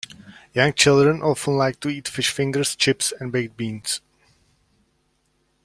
Young children often like to eat fish fingers, chips and baked beans